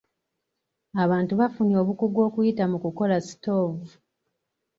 Abantu bafunye obukugu okuyita mu kukola sitoovu.